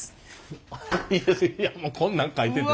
いやいやもうこんなん描いてる。